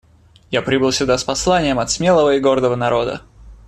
Я прибыл сюда с посланием от смелого и гордого народа.